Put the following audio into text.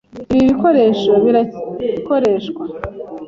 Ibi bikoresho birakoreshwa.